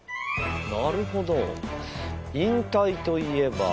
なるほど引退といえば。